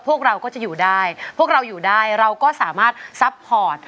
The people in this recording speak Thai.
พวกเราก็จะอยู่ได้พวกเราอยู่ได้เราก็สามารถซัพพอร์ต